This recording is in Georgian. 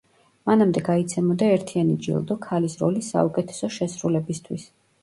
მანამდე გაიცემოდა ერთიანი ჯილდო ქალის როლის საუკეთესო შესრულებისთვის.